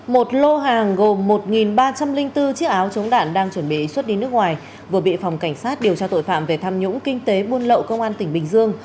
một lô hàng gồm một ba trăm linh bốn chiếc áo chống đạn đang chuẩn bị xuất đi nước ngoài vừa bị phòng cảnh sát điều tra tội phạm về tham nhũng kinh tế buôn lậu công an tỉnh bình dương